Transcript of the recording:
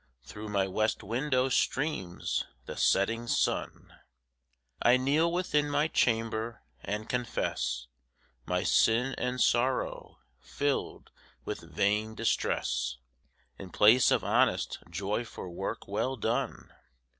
Through my west window streams the setting sun. I kneel within my chamber, and confess My sin and sorrow, filled with vain distress, In place of honest joy for work well done.